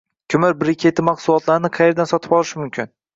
Ko’mir briketi mahsulotlarini qaerdan sotib olish mumkin?